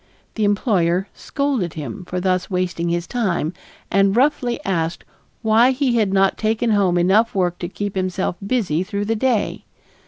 The employer scolded him for thus wasting his time and roughly asked why he had not taken home enough work to keep himself busy through the day.